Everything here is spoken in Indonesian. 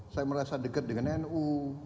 saya merasa dekat dengan nu